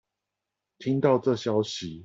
聽到這消息